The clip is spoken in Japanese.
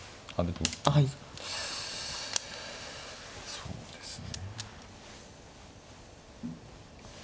そうですね。